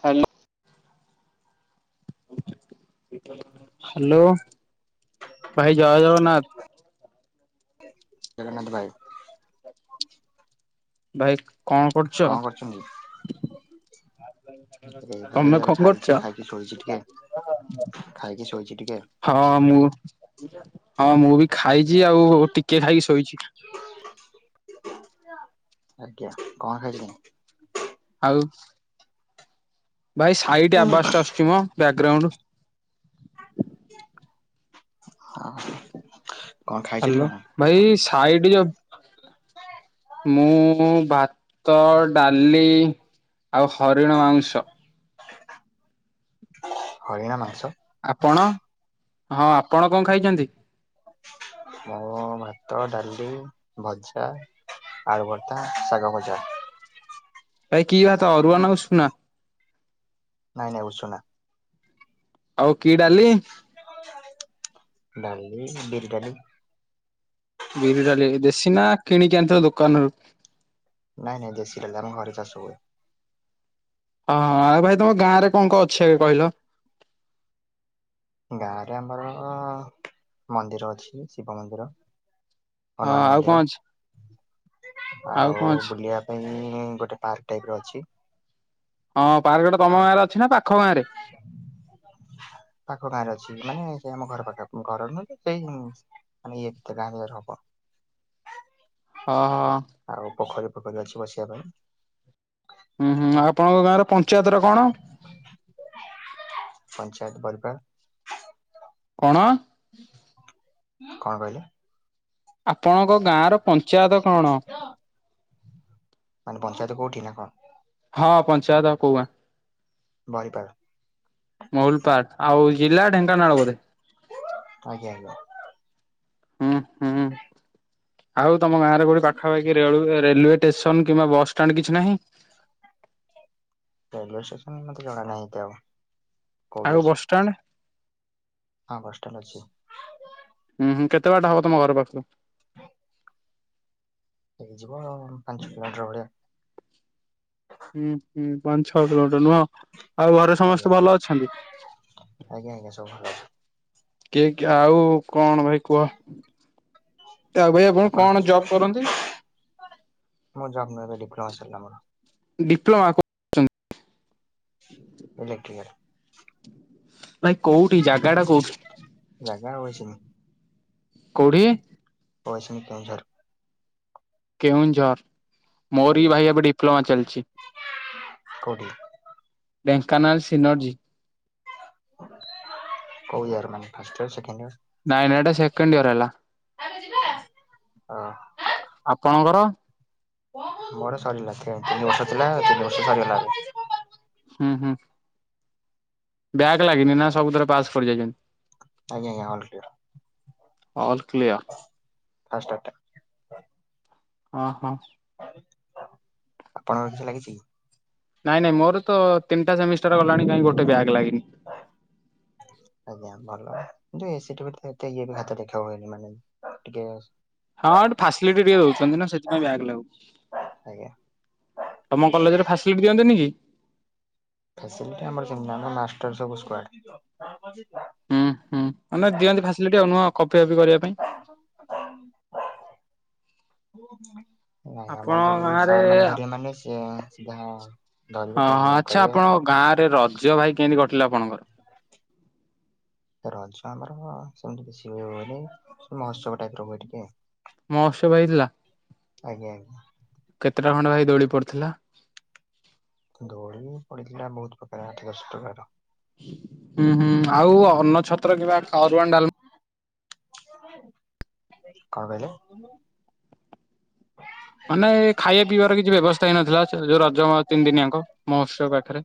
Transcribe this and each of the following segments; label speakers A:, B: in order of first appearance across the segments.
A: Hello. Hello. ଭାଇ ଜୟ ଜଗନ୍ନାଥ।
B: ଜଗନ୍ନାଥ ଭାଇ।
A: ଭାଇ କଣ କରୁଛ?
B: ଭାଇ
A: ତମେ
B: ଆମେ
A: କଣ କରୁଛ?
B: ଖାଇଛି ଖାଇଛି ଟିକେ ଖାଇକି ଶୋଇଛି ଟିକେ।
A: ହଁ ମୁଁ ହଁ ମୁଁ ବି ଖାଇଛି ଆଉ ଟିକେ ଖାଇକି ଶୋଇଛି।
B: ଆଜ୍ଞା କଣ ଖାଇଲେ?
A: ଆଉ ଭାଇ ସାଇ ଆବାସଟା ଆସୁଛି ମୋ ବ୍ୟାକଗ୍ରାଉଣ୍ଡ।
B: କଣ ଖାଇଛନ୍ତି
A: ହ୍ୟାଲୋ
B: କଣ?
A: ଭାଇ ସାଇଡ ଯଉ ମୁଁ ଭାତ ଡାଲି ଆଉ ହରିଣ ମାଂସ।
B: ହରିଣ ମାଂସ।
A: ଆପଣ ହଁ ଆପଣ କଣ ଖାଇଛନ୍ତି?
B: ମୁ ଭାତ ଡାଲି ଭଜା। ଆଳୁବର୍ତା ଶାଗ ବଜା।
A: ଭାଇ କି ଭାତ ଅରୁଆ ନା ଉସୁନା।
B: ନାଇଁ ନାଇଁ ଉସୁନା।
A: ଆଉ କି ଡାଲି
B: ଡାଲି ବିରିଡ଼ାଲି।
A: ବିରି ଡାଲି ଦେଶୀ ନା କିଣିକି ଆଣି ଦୋକାନରୁ?
B: ନାଇଁ ନାଇଁ ଦେଶୀ ଡାଲି ଆମର ଘରେ ଚାଷ ହୁଏ।
A: ହଁ ଆଉ ଭାଇ ତମ ଗାଁରେ କଁ କଁ ଅଛି ଆଗେ କହିଲ?
B: ଗାଁରେ ଆମର ମନ୍ଦିର ଅଛି, ଶିବ ମନ୍ଦିର।
A: ହଁ
B: ହନୁମାନ
A: ଆଉ
B: ମନ୍ଦିର
A: କଁ ଅଛି? କଣ
B: ଆଉ
A: ଅଛି?
B: ବୁଲିବା ପାଇଁ ଗୋଟେ ପାର୍କ ଟାଇପ ର ଅଛି।
A: ହଁ ପାର୍କ ସେଇଟା ତମ
B: ଆଉ
A: ଗାଁରେ ଅଛି ନା ପାଖ ଗାଁରେ?
B: ପାଖ ଗାଁ ରେ ଅଛି ମାନେ ସେ ଆମ ଘର ପାଖ ଘରର ନୁହେଁ ତ ସେଇ ମାନେ ଇଏ ଗାଁର ହବ।
A: ହଁ ହଁ।
B: ଆଉ ପୋଖରୀ ପୋଖରୀ ଅଛି ବସିବା ପାଇଁ?
A: ହୁଁ ହୁଁ ଆପଣଙ୍କ ଗାଁ ର ପଞ୍ଚାୟତଟା କଣ?
B: ଭରିପାର।
A: କଣ?
B: କଣ କହିଲେ?
A: ଆପଣଙ୍କ ଗାଁ ର ପଞ୍ଚାୟତ କଣ?
B: ମାନେ ପଞ୍ଚାୟତ କୋ, ନା କଣ?
A: ହଁ ପଞ୍ଚାୟତ ଆଉ କୋଉ ଗାଁ?
B: ଭରିପାର।
A: ମଉଲପାଟ ଆଉ ଜିଲ୍ଲା ଢେଙ୍କାନାଳ ବୋଧେ?
B: ଆଜ୍ଞା ଆଜ୍ଞା
A: ହୁଁ ହୁଁ ଆଉ ତମ ଗାଁ ରେ କୋଉଠି ପାଖାପାଖି ରେଳୁ ରେଲୱେ ଷ୍ଟେସନ କିମ୍ବା ବସଷ୍ଟାଣ୍ଡ କିଛି ନାହିଁ?
B: ରେଲୱେ ଷ୍ଟେସନ୍ ମତେ ଜଣା ନାହିଁ ଏତେ ଆଉ। କୋଉଠି
A: ଆଉ
B: ଅଛି
A: ବସଷ୍ଟାଣ୍ଡ?
B: ହଁ ବସଷ୍ଟାଣ୍ଡ ଅଛି।
A: ଉଁ ହୁଁ କେତେ ବାଟ ହବ ତମ ଘର ପାଖୁରୁ?
B: ହ ହେଇଯିବ ପାଞ୍ଚ କିଲୋମିଟର ଭଳିଆ।
A: ହୁଁ ହୁଁ ପାଞ୍ଚ ଛଅ କିିଲୋମିଟର ନୁହଁ। ଆଉ ଘରେ
B: ଆଜ୍ଞା
A: ସମସ୍ତେ ଭଲ ଅଛନ୍ତି?
B: ଆଜ୍ଞା ଆଜ୍ଞା ସବୁ ଭଲ ଅଛି
A: ଟିକେ ଆଉ କଣ ଭାଇ କୁହ? ତାପରେ ଆପଣ କଣ ଜବ୍ କରନ୍ତି?
B: ତହସିଲ ରେ ଆମର।
A: ଡିପ୍ଲୋମା କ
B: ଦେଖି [unintelligible]
A: ଭାଇ କୋଉଠି ଜାଗାଟା କୋଉଠି?
B: ଜାଗା ଅଇସିନି।
A: କୋଉଠି?
B: ଅଇସିନି କେଉଁଝର।
A: କେଉଁଝର। ମୋର ବି
B: ଆଜ୍ଞା
A: ଭାଇ ଏବେ ଡିପ୍ଲୋମା ଚାଲଚି।
B: କୋଉଠି
A: ଢେଙ୍କାନାଳ ସିିନୋର୍ଜୀ।
B: କୋଉ ଇଅର ମାନେ ଫାଷ୍ଟ ୟିଅର୍, ସେକେଣ୍ଡ ୟିଅର୍?
A: ନାଇଁ ଭାଇ ଏଟା ସେକେଣ୍ଡ ୟିଅର୍ ହେଲା।
B: ଆରେ ଯିବା, ହଁ।
A: ଆପଣଙ୍କର?
B: ମୋର ସରିଲା ତିନି ବର୍ଷ ଥିଲା ତିନି ବର୍ଷ ସରିଗଲା।
A: ହୁଁ ହୁଁ। ବ୍ୟାକ୍ ଲାଗିନି ନା ସବୁଥରେ ପାସ୍ କରି ଯାଇଛନ୍ତି।
B: ଆଜ୍ଞା ଆଜ୍ଞା all clear.
A: All clear
B: first [unintelligible] ଟା।
A: ଓ ହୋ।
B: ଆପଣଙ୍କ କିଛି ଲାଗିଛି?
A: ନାଇଁ ନାଇଁ ମୋର ତ ତିନିଟା ସେମିଷ୍ଟାର ଣି କାଁ ଗୋଟେ ବ୍ୟାଗ ଲାଗିନି।
B: ଆଜ୍ଞା ଭଲ କିନ୍ତୁ ଏସି ଟ ବି ଏତେ ଇଏ ବି ହାତ ଦେଖା ହୁଏନି ମାନେ ଟିକେ
A: ହଁଠି ଫାସିଲିଟି ଟିକେ ଦଉଛନ୍ତି ନା ସେଥିପାଇଁ ବ୍ୟାଗ ଲାଗୁ
B: ଆଜ୍ଞା
A: ତମ କଲେଜରେ ଫାସିଲିଟି ଦିଅନ୍ତନି କି?
B: ଫସିଲିଟି ଆମର ସେମିତି ନାଇ ଆମର ମାଷ୍ଟର ସବୁ ସ୍କ୍ୱାଡ।
A: ହୁଁ ହୁଁ ମାନ ଦିଅନ୍ତି ଫାସିଲିଟିଉ ନୁହଁ କଫି ଫପି କର
B: [unintelligible] ନାଇଁ ଆମର
A: ଆପଣଙ୍କ
B: ସବୁ
A: ଗାଁରେ
B: ସାର୍ ମାନେ ଧରିବେ ମାନେ ସ ଯାହା ଧରିବେ ମାନେ କହିବେ।
A: ଗାଁ ରେ ରଜ ଭାଇ କେମିତି ଘଟିଲା ଆପଣଙ୍କର?
B: ରଜ ଆମର ସେମତି କିଛି ହୁଏନି ମହୋତ୍ସବ ଟାଇପ ର ହୁଏ ଟିକେ।
A: ମୋସବ ହେଇଥିଲା।
B: ଆଜ୍ଞା ଆଜ୍ଞା।
A: ଖଣ୍ଡ ଭାଇ ଦୋଳି ପଡିଥିଲା।
B: ଦୋଳି ପଡିଥିଲା ବହୁତ ପ୍ରକାର ଦଶ ପ୍ରକାର।
A: ହୁଁ ହୁଁ ଆଉ ଅନ୍ନ ଛତ୍ର କିମ୍ବା ଅରୁୱାନ ଡାଲମା
B: କଣ କହିଲେ?
A: ମାନେ ଖାଇବା ପିଇବାର କିଛି ବ୍ୟବସ୍ଥା ହେଇନଥିଲା ଯୋଉ
B: ନା
A: ରଜ ତିନି ଦିନିଆଙ୍କ ମହୋତ୍ସବ ପାଖରେ।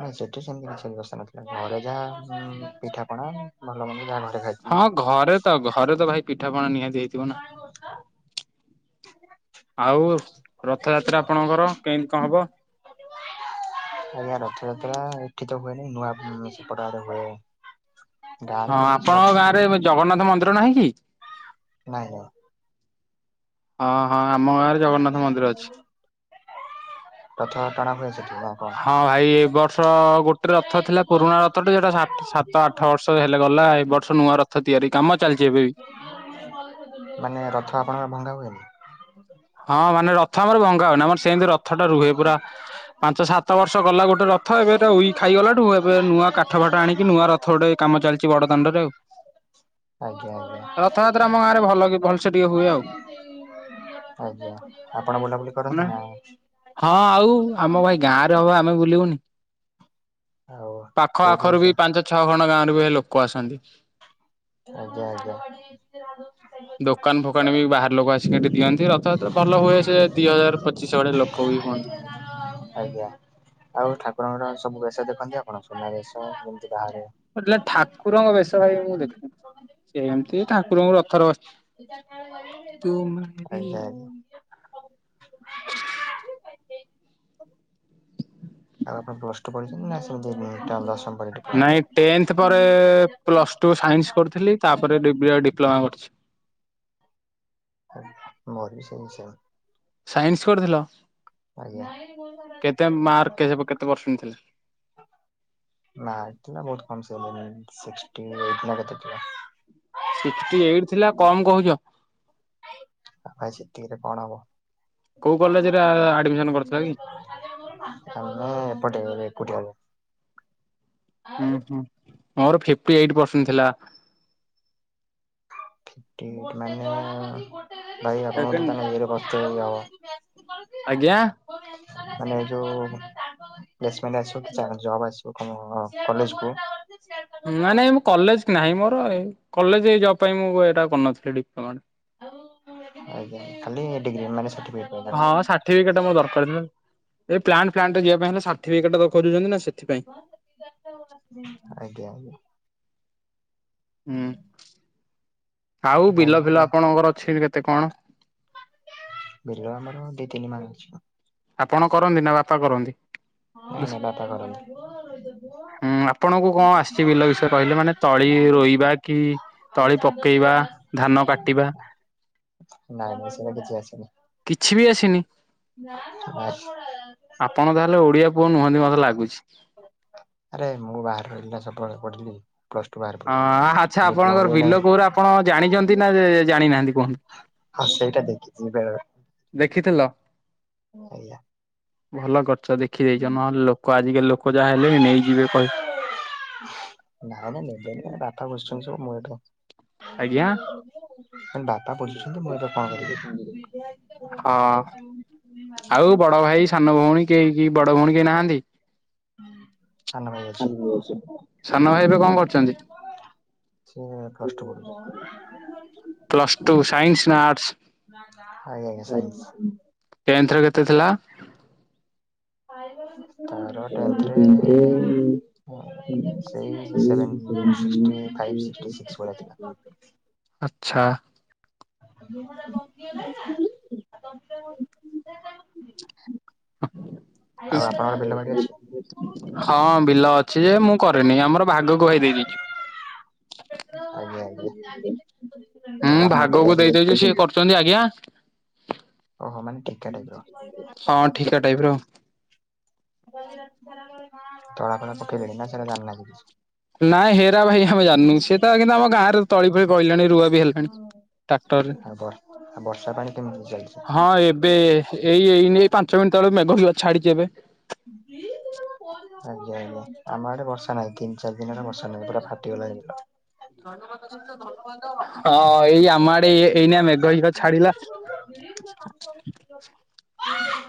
B: ନାଇଁ ସେଠି ସେମିତି ବିଷୟ ବ୍ୟବସ୍ଥା ନଥିଲା ଘରେ ଯାହା ପିଠା ପଣା ଭଲ ମନ୍ଦ ଯାହା ଖାଇଥିଲି।
A: ହଁ ଘରେ ତ ଘରେ ତ ଭାଇ ପିଠାପଣା ନିହାତି ହେଇଥିବ ନା। ଆଉ ରଥଯାତ୍ରା ଆପଣଙ୍କର କେମିତି କଣ ହବ?
B: ଆଜ୍ଞା ରଥଯାତ୍ରା ଏଠି ତ ହୁଏନି ନୂଆପ ପଡାରେ ହୁଏ। ଗାଁରେ
A: ହଁ
B: ଆମର କିଛି ରଥ
A: ଆପଣଙ୍କ ଗାଁ ରେ
B: ସେମିତି
A: ଜଗନ୍ନାଥ ମନ୍ଦିର ନାହିଁ କି?
B: ନାଇଁ ନାଇଁ।
A: ହଁ ହଁ ଆମ ଗାଁରେ ଜଗନ୍ନାଥ ମନ୍ଦିର ଅଛି।
B: ରଥ ଟଣା ହୁଏ ସେଠି। ନା କଣ?
A: ହଁ ଭାଇ ଏ ବର୍ଷ ଗୋଟେ ରଥ ଥିଲା ପୁରୁଣା ରଥ ଟା ଯୋଉଟା ସାତ ଆଠ ବର୍ଷ ହେଲା ଗଲା ଏ ବର୍ଷ ନୂଆ ରଥ ତିଆରି କାମ ଚାଲିଛି ଏବେ ବି।
B: ମାନେ ରଥ ଆପଣଙ୍କର ଭଙ୍ଗା ହୁଏନି?
A: ହଁ ମାନେ ରଥ ଆମର ଭଙ୍ଗା ହଉନି ଆମର ସେମିତି ରଥ ଟା ରୁହେ ପୁରା ପାଞ୍ଚ ସାତ ବର୍ଷ ଗଲା ଗୋଟେ ରଥ ଏବେ ଏରା
B: ଆଜ୍ଞା
A: ଉଇ ଖାଇ ହେ ଗଲାଠୁ ଏବେ ନୂଆ କାଠ ଫାଠ ଆଣିକି ନୂଆ ରଥ ଗୋଟେ କାମ ଚାଲିଛି ବଡ ଦାଣ୍ଡରେ ଆଉ।
B: ଆଜ୍ଞା।
A: ରଥଯାତ୍ରା ଆମ ଗାଁରେ ଭଲ କି ଭଲସେ ଟିକେ ହୁଏ ଆଉ
B: [unintelligible] ଆଜ୍ଞା ଆପଣ ବୁଲାବୁଲି କରନ୍ତି ନା?
A: ହଁ ଆଉ ଆମ ଭାଇ ଗାଁ ରେ ହବ ଆମେ ବୁଲିବୁନି।
B: ଆଉ
A: ପାଖ
B: କୋଉ କୋଉ
A: ଆଖରୁ
B: ସ
A: ବି ପାଞ୍ଚ ଛଅ ଖଣ୍ଡ ଗାଁରେ ବି ଏ ଲୋକ ଆସନ୍ତି।
B: ଆଜ୍ଞା ଆଜ୍ଞା।
A: ଦୋକାନ ଫୋକାନ ବି ବାହାର ଲୋକ ଆସିକିି ଏଠି ଦିଅନ୍ତି। ରଥଯାତ୍ରା ଭଲ ହୁଏ ସେ ଦି ହଜାର ପଚିଶ ଆଡେ ଲକ୍ଷ ବି ହୁଅନ୍ତି।
B: ଆଜ୍ଞା ଆଉ ଠାକୁରଙ୍କର ସବୁ ବେଶ ଦେଖନ୍ତି ଆପଣ ସୁନା ବେଶ ଏମ୍‌ତି?
A: ଊ ଯେ ଠାକୁରଙ୍କ ବେଶ କାଇଁ ମୁଁ ଦେଖି ହିଁ ସେମତି ଏ ଠାକୁରଙ୍କ ରଥର ବଛି।
B: ଆଜ୍ଞା ଆଜ୍ଞା।
A: [inaudible] [inaudible]
B: ଆଉ କଣ ପୋଷ୍ଟ ପଡିଛି ନା।
A: ନାଇଁ
B: [unintelligible]
A: ସାଇନସ୍ କରୁଥିଲି ତାପରେ ଡ଼ିବିଆ ଡିପ୍ଲୋମା କରିଛି।
B: ମୋରବି। [unintelligible]
A: ସାଇନସ୍‌‌ କରିଥିଲ?
B: ଆଜ୍ଞା।
A: କେତେ ମାର୍କ
B: [unintelligible]
A: କେତେ ପରସେଣ୍ଟ ଥିଲା?
B: [unintelligible] ସିକ୍‌ଷ୍ଠି ଏଇଟ୍ ନାଁ କେତେ ଥିଲା।
A: ସିକ୍ସଟି ଏଇଟ୍‌ ଥିଲା କମ କହୁଛ?
B: ଏକେ
A: କୋଉ କଲେଜରେ
B: ଆମର
A: ଆଡମିସନ କରିଥିଲ କି?
B: ଏପଟେ ଘର ଏପଟେହବ।
A: ହୁଁ ହୁଁ ମୋର ଫିଫ୍‌ଟି ଏଇଟ୍‌ ପର୍‌ସେନ୍ଟ୍ ଥିଲା।
B: [unintelligible] ଭାଇ
A: ସେକେଣ୍ଡ
B: ଆପଣ
A: ଆଜ୍ଞା
B: [unintelligible] ହବ ମାନେ ଯୋଉ, [unintelligible]
A: ନାଇଁ ନାଇଁ ମୁଁ କଲେଜ ନାହିଁ ମୋର ଏ କଲେଜ ଏ ଜବ୍‌ ପାଇଁ ମୁଁ ଏଇଟା କରିନଥିଲି ଡିପ୍ଲୋମା
B: ଆଜ୍ଞା ଖାଲି ଏ ଡିଗ୍ରୀ ମାଇନସ
A: ହଁ ସାର୍ଟିଫିକେଟ ଟା ମୋର ଦରକାର ଥିଲା ଏ ପ୍ଲାନ୍ଟ୍ ଫ୍ଲାଣ୍ଟ ରେ ଯିବା ପାଇଁ ହେଲେ ସାର୍ଟିଫିକେଟ ଟା ଖୋଜୁଛନ୍ତି ନା ସେ
B: ଆଜ୍ଞା,
A: ହୁଁ
B: ତାପରେ
A: ଆଉ ବିଲ
B: କାହିଁକିନା
A: ଫିଲ ଆପଣଙ୍କର ଅଛି କେତେ କଣ?
B: ଏ ଆମର ଦିଇ ତିନି ମାଣ ଅଛି।
A: ଆପଣ କରନ୍ତି ନା ବାପା କରନ୍ତି
B: ନାଇଁ ନାଇଁ ବାପା କରନ୍ତି।
A: ଉଁ କିଏ ରଇବା କି?
B: ଆଉ
A: ତଳି
B: ଚାନ୍ଦପୁଅ
A: ପକେଇବା
B: ଆସି ସି
A: ଧାନ
B: ସିଏ
A: କାଟିବା
B: ନାଇଁ ଏସି ରେ କିଛି ଆସିନି,
A: କିଛି ବି ଆସିନି ଆପଣ ତାହେଲେ ଓଡିଆ ପୁଅ ନୁହନ୍ତି ମତେ ଲାଗୁଛି।
B: ଆରେ ମୁଁ ବାହରେ ରହିଲିନା ସବୁବେଳେ ପଢିଲି। ପ୍ଲସ ଟୁ ବାହାରେ
A: ହଁ
B: ପଢିଲି।
A: ଆଚ୍ଛା
B: ଡିପ୍ଲୋମା
A: ଆପଣଙ୍କର
B: ବି ନାହିଁ।
A: ବିଲ କୋଉର ଆପଣ ଜାଣିଛନ୍ତି ନା ଜାଣିନାହାନ୍ତି କୁହନ୍ତୁ।
B: ହଁ ସେଇଟା ଦେଖିଛି ବେଳେଳେ
A: ଦେଖିଥିଲ।
B: ଏଇୟା,
A: ଭଲ କରଛ ଦେଖିଦେଇଛ ନହେଲେଲୋକ ଆଜିକାଲି ଲୋକ ଲୋକ ଯାହା ହେଲେଣି ନେଇଯିବେ କହିକିନା।
B: ନାଇଁ ନାଇଁ ନେବେନି [unintelligible] ସବୁ ମୁଁ ଏଇଠି,
A: ଆଜ୍ଞା।
B: ବାପା ବୁଝୁଛନ୍ତି ମୁଁ ଏବେ କଣ କରିବି।
A: ହଁ ଆଉ ବଡ। ହଁ ଭାଇ ସାନ ଭଉଣୀ କେହି କି ବଡ ଭଉଣୀ କେହି ନାହାନ୍ତି।
B: ସାନ ଭାଇ ଅଛି।
A: ସାନ ଭାଇ ଏବେ କଣ କରୁଛନ୍ତି।
B: ସେ ଫାଷ୍ଟ ପଢୁଛ
A: ତୁ ସାଇନସିସ ନାଁ
B: ଆଜ୍ଞା
A: ଆଟ୍ସ
B: ସାଇନ୍ସ।
A: ଟେଂଥ ରେ କେତେ ଥିଲା?
B: ତାର ଟେନ୍ଥରେ ସେଇ seven sixty five sixty six ଭଳିଆ ଥିଲା।
A: [unintelligible] [unintelligible] ଆଚ୍ଛା,
B: ମୁହଁ ଟା ବାଙ୍କୀ ଗଲାଣି ନାଁ ଆଉ ତଣ୍ଟି ଟା କଣ ସିଧା କାଇଁ ବସିଛି।
A: [inaudible]
B: ଆଉ ଆପଣଙ୍କର ବିଲ ବାଡ଼ି ଅଛି।
A: ହଁ ବିଲ ଅଛି ଯେ ମୁଁ କରେନି ଆମର ଭାଗକୁୁ ଭାଇ ଦେଇ ଦେଇଛୁ।
B: ଆଜ୍ଞା ଆଜ୍ଞା।
A: ହୁଁ
B: ତଳା ଫଳା
A: ଭାଗକୁ
B: ପକେଇଛନ୍ତି
A: ଦେଇଦେଇଚୁ ସିଏ କରୁଛନ୍ତି ଆଜ୍ଞା।
B: ଓହୋ ମାନେ ଠିକା ଟାଇପ୍ ର।
A: ହଁ ଠିକା ଟାଇପ୍ ର
B: ତଳା ଫଳା ପକେଇଲେଣି ନା ସେଗୁରା‌ ଯାଣିନା କିଛି।
A: ନାଇଁ ହେରା ଭାଇ ଆମେ ଜାଣିନୁ ସେ ତ କିନ୍ତୁ ଆମ ଗାଁରେ ତଳି ଫଳି ପ ପାଇଲାଣି ରୁଆ ବି ହେଲାଣି।
B: କିଛି?
A: ଟାକ୍ଟର ରେ
B: ଆଉ ବ ଆଉ ବର୍ଷା ପାଣି କେମିତି ଚାଲିଛି?
A: ହଁ ଏବେ ଏଇ ଏଇନି ଏ ପାଞ୍ଚ ମିନିଟ। ମେଘବି ଛାଡି଼ଚି ଏବେ।
B: ଆଜ୍ଞା ଆଜ୍ଞା ଆମ ଆଡେ ବର୍ଷା ନାହିଁ ତିନି ଚାରି ଦିନ ବର୍ଷା ଆମ ଏପଟେ ଫାଟିଗଲାଣି ବିଲ।
A: ହଁ ଏଇ ଆମ ଆଡେ ଏଇନା ମେଘ ହେଇପା ଛାଡିଲା। [inaudible]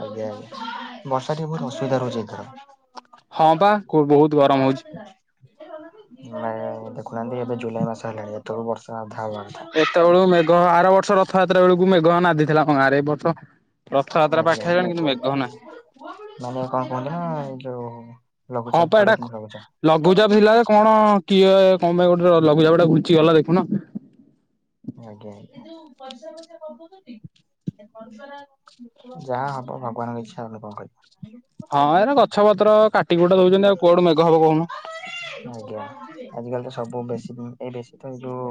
B: ଆଜ୍ଞା, ଆଜ୍ଞା, ବର୍ଷା ଟିକେ ବହୁତ ଅସୁବିଧା ରହୁଛି ଏଥର।
A: ହଁ ବା ବହୁତ ଗରମ ହଉଛି।
B: ନାଇଁ ଏଇ ଦେଖୁନାହାନ୍ତି। ଏବେ ଜୁଲାଇ ମାସ ହେଲାଣି, ଏତେ ବେଳକୁ ବର୍ଷ ଅଧା ହବା କଥା।
A: ଏତେବେଳକୁ ମେଘ ଆର ବର୍ଷ ରଥଯାତ୍ରା ବେଳକୁ ମେଘ ନାଧିଥିଲା ଆମ ଗାଁରେ, ଏ ବର୍ଷ ରଥଯାତ୍ରା
B: ଆଜ୍ଞା,
A: ପାଖେଇ
B: [unintelligible]
A: ଆଇଲାଣି କିନ୍ତୁ ମେଘ ନାହିଁ।
B: ମାନେ କଣ କହୁଥିଲେ ନା ଏଇ ଯୋଉ।
A: ହଁ
B: ଲଘୁଚାପ
A: ପା,
B: ପଡେ
A: ଏଟା
B: କିନ୍ତୁ ଲଘୁଚାପ।
A: ଲଘୁଚାପ ଥିଲା କଣ କିଏ କମେ ଗୋଟେ ଲଘୁଚାପ ଟା ଘୁଚି ଗଲା ଦେଖୁନ।
B: ଆଜ୍ଞା, ଆଜ୍ଞା। ଯାହା ହବ ଭଗବାନଙ୍କ ଇଚ୍ଛା, ଆମେ କଣ କରିବା।
A: ହଁ ଏ ଗଛ ପତ୍ର କାଟି କୁଟା ଦଉଛନ୍ତି ଆଉ କୁଆଡୁ ମେଘ ହବ କହୁନୁ।
B: ଆଜ୍ଞା, ଆଜିକାଲି ତ ସବୁ ବେଶୀ ଏଇ ବେଶୀ। ତ ଯୋଉ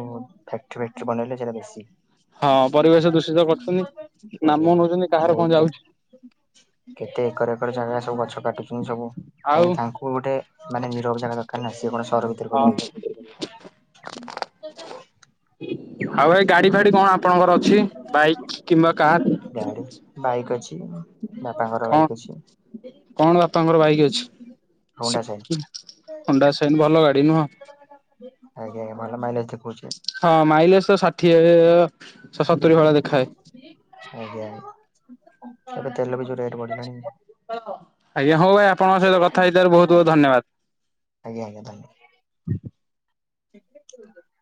B: ଫ୍ୟାକ୍ଟ୍ରି ଫ୍ୟାକ୍ଟ୍ରି ବନେଇଲେ ସେଇଟା ବେଶୀ।
A: ହଁ ପରିବେଶ ଦୂଷିତ କରୁଛନ୍ତି,
B: ଆଜ୍ଞା
A: ନାମ ନଉଛନ୍ତି କାହାର କଣ
B: ବହୁତ
A: ଯାଉଛି।
B: କେତେ ଏକର ଏକର ଜାଗା ସବୁ ଗଛ କାଟୁଛନ୍ତି ସବୁ।
A: ଆଉ
B: କାହିଁକିନା ତାଙ୍କୁ ଗୋଟେ ମାନେ ନିରବ ଜାଗା ଦରକାର ନାହିଁ ସି କଣ ସହର ଭିତରେ କରିବେ। [unintelligible]
A: ଆଉ ଏଇ ଗାଡି ଫାଡି କଣ, ଆପଣଙ୍କର ଅଛି ବାଇକ୍ କିମ୍ବା କାର।
B: ଗାଡି ବାଇକ୍ ଅଛି, ବାପାଙ୍କର
A: କଣ?
B: ବାଇକ୍ ଅଛି।
A: କଣ ବାପାଙ୍କର ବାଇକ୍
B: ହୋଣ୍ଡା
A: ଅଛି,
B: ସାଇନ୍।
A: ହଣ୍ଡାସାଇନି ଭଲ ଗାଡି ନୁହଁ।
B: ଆଜ୍ଞା, ଆଜ୍ଞା, ଭଲ ମାଇଲେଜ୍ ଥିବ।
A: ହଁ ମାଇଲେଜ ତ ଷାଠିଏ। ସତୁରି ଭଳିଆ ଦେଖାଏ।
B: ଆଜ୍ଞା, ଏବେ ତେଲ ବି ଯୋଉ ରେଟ୍। ବଢିଲାଣି।
A: ଆଜ୍ଞା, ହଉ ଭାଇ, ଆପଣଙ୍କ ସହିତ କଥା ହେଇଥିବାରୁ ବହୁତ ବହୁତ ଧନ୍ୟବାଦ।
B: ଆଜ୍ଞା, ଆଜ୍ଞା, ଧନ୍ୟବାଦ। ଏ [inaudible]